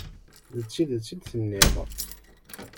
D tidet i d-tenniḍ.